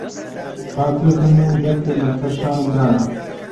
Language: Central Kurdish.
ڕاتگرتم و دەستت لەسەر شانم دانا...